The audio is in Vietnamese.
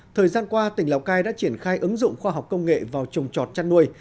thời gian qua tỉnh lào cai đã triển khai ứng dụng khoa học công nghệ vào trồng trọt chăn nuôi